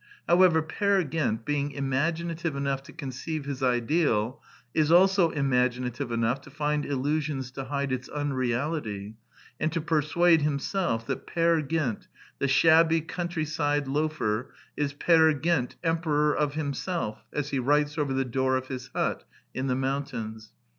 However, Peer Gynt, being imaginative enough to conceive his ideal, is also imaginative enough to find illusions to hide its unreality, and to per suade himself that Peer Gynt, the shabby country side loafer, is Peer Gynt, Emperor of Himself, as he writes over the door of his hut in the moun tains.